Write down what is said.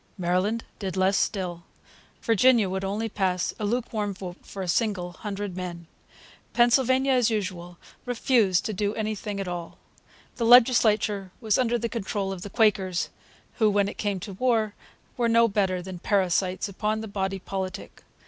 Maryland did less still. Virginia would only pass a lukewarm vote for a single hundred men. Pennsylvania, as usual, refused to do anything at all. The legislature was under the control of the Quakers, who, when it came to war, were no better than parasites. upon the body politic.